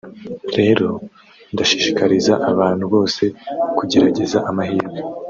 Rero ndashishikariza abantu bose kugerageza amahirwe